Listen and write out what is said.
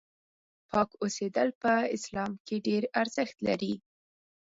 پاک اوسېدل په اسلام کې ډېر ارزښت لري.